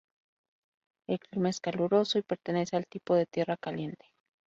El clima es caluroso y pertenece al tipo de tierra caliente.